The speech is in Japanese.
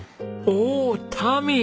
おおタミー！